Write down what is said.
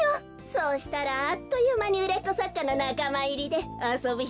そうしたらあっというまにうれっこさっかのなかまいりであそぶひまもなくなるわね。